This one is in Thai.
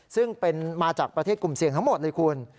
ซึ่งเป็นมาจากประเทศกลุ่มเสี่ยงทั้งหมดเลยคุณ